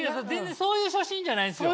そういう初心じゃない。